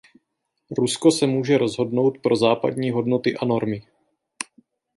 Rusko se může rozhodnout pro západní hodnoty a normy.